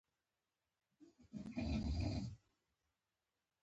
شاوخوا ته د کلي دیوالونه هسک وو.